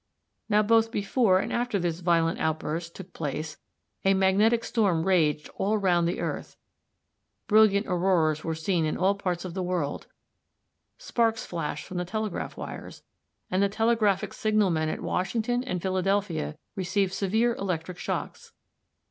Now both before and after this violent outburst took place a magnetic storm raged all round the earth, brilliant auroras were seen in all parts of the world, sparks flashed from the telegraph wires, and the telegraphic signalmen at Washington and Philadelphia received severe electric shocks.